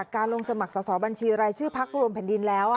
การลงสมัครสอบบัญชีรายชื่อพักรวมแผ่นดินแล้ว